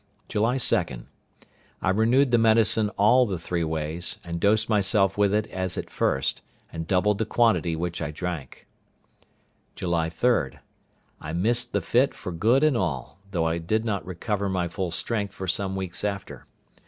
July 2.—I renewed the medicine all the three ways; and dosed myself with it as at first, and doubled the quantity which I drank. July 3.—I missed the fit for good and all, though I did not recover my full strength for some weeks after.